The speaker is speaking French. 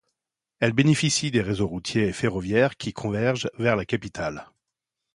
Elle bénéficie des réseaux routier et ferroviaire qui convergent vers la capitale.